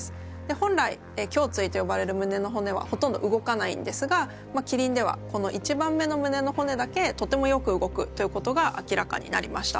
本来胸椎と呼ばれる胸の骨はほとんど動かないんですがキリンではこの１番目の胸の骨だけとてもよく動くということが明らかになりました。